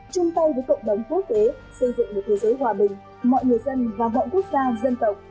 chung tay với cộng đồng quốc tế xây dựng một thế giới hòa bình mọi người dân và mọi quốc gia dân tộc